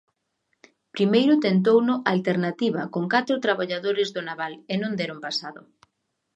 Primeiro tentouno Alternativa con catro traballadores do naval, e non deron pasado.